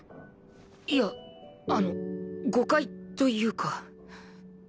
いやあの誤解というか。